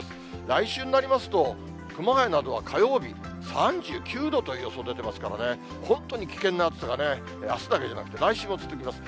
来週になりますと、熊谷などは火曜日、３９度という予想出てますからね、本当に危険な暑さがね、あすだけじゃなくて来週も続きます。